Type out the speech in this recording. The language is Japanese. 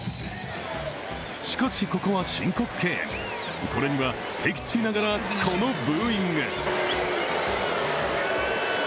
しかしここは申告敬遠、これには敵地ながらこのブーイング。